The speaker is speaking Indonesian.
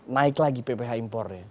naik lagi pph impornya